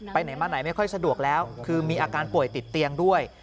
ไหนมาไหนไม่ค่อยสะดวกแล้วคือมีอาการป่วยติดเตียงด้วย